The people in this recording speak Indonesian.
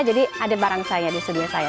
jadi ada barangsainya di studio saya